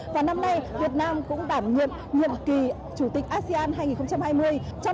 và năm nay việt nam cũng đảm nhiệm nhiệm kỳ chủ tịch asean hai nghìn hai mươi